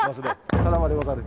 さらばでござる。